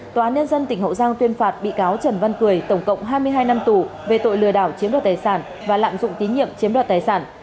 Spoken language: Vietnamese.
tòa án nhân dân tỉnh hậu giang tuyên phạt bị cáo trần văn cười tổng cộng hai mươi hai năm tù về tội lừa đảo chiếm đoạt tài sản và lạm dụng tín nhiệm chiếm đoạt tài sản